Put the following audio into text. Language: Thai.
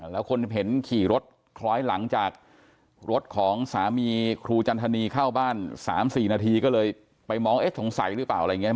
แล้วคนเห็นขี่รถคล้อยหลังจากรถของสามีครูจันทนีเข้าบ้าน๓๔นาทีก็เลยไปมองเอ๊ะสงสัยหรือเปล่าอะไรอย่างนี้